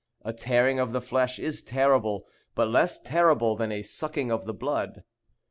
A tearing of the flesh is terrible, but less terrible than a sucking of the blood.